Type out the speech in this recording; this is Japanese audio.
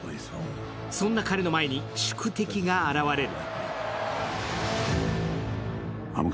そんな彼の前に宿敵が現れる。